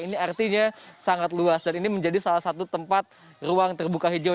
ini artinya sangat luas dan ini menjadi salah satu tempat ruang terbuka hijau